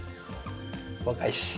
若いし。